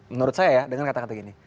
menurut saya ya dengan kata kata gini